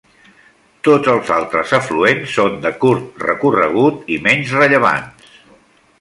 Tots els altres afluents són de curt recorregut i menys rellevants.